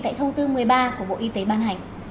tại thông tư một mươi ba của bộ y tế ban hành